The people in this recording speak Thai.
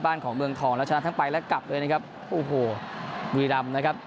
ของเมืองทองแล้วชนะทั้งไปและกลับเลยนะครับโอ้โหบุรีรำนะครับ